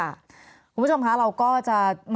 คุณผู้ชมคะเราก็จะ